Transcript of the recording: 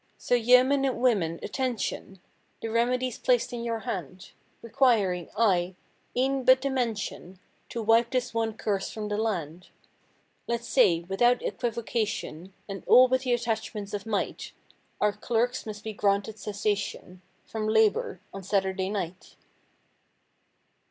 So, yoemen and women, attention! The remedy's placed in your hand; Requiring, aye, e'en but the mention To wipe this one curse from the land. Let's say, without equivocation, And all with the attachments of might. Our clerks must be granted cessation From labor on Saturday night.